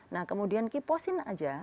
nah kemudian keep pos in aja